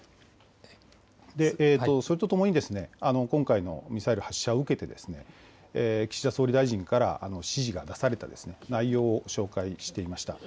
それとともに、今回のミサイル発射を受けて、岸田総理大臣から指示が出された内容を紹介していました。